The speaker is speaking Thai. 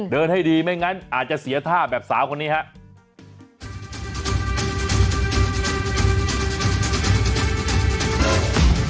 ให้ดีไม่งั้นอาจจะเสียท่าแบบสาวคนนี้ครับ